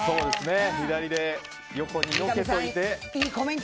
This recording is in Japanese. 左で横によけておいて。